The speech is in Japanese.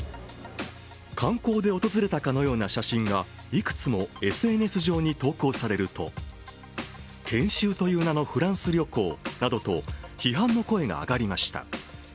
観光で訪れたかのような写真が、いくつもＳＮＳ上に投稿されると研修という名のフランス旅行などと批判の声が上がりました。